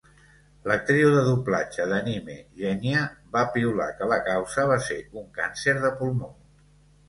L'actriu de doblatge d'anime Jenya va piular que la causa va ser un càncer de pulmó.